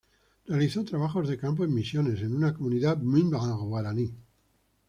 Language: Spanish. Realizó trabajos de campo en Misiones, en una comunidad Mby´a Guaraní.